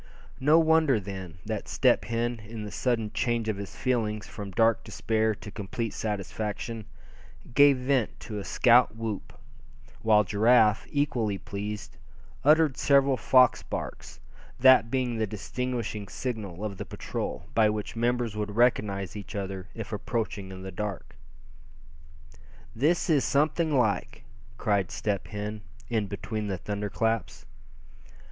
No wonder then, that Step Hen, in the sudden change of his feelings from dark despair to complete satisfaction, gave vent to a scout whoop; while Giraffe, equally pleased, uttered several fox barks, that being the distinguishing signal of the patrol, by which members would recognize each other if approaching in the dark. "This is something like!" cried Step Hen, in between the thunder claps.